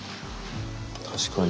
確かに。